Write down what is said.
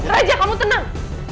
raja kamu tenang